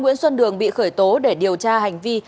nguyễn xuân đường bị khởi tố để điều tra hành vi